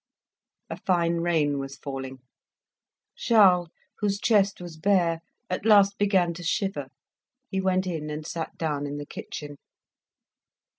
A fine rain was falling: Charles, whose chest was bare, at last began to shiver; he went in and sat down in the kitchen.